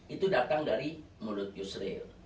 itu datang dari mulut yusril